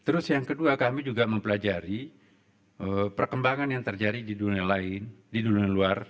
dan kedua kami juga mempelajari perkembangan yang terjadi di dunia lain di dunia luar